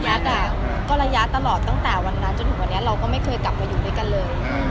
ระยะตลอดตั้งแต่วันนั้นจนถึงวันนี้เราก็ไม่เคยกลับมาอยู่ด้วยกันเลย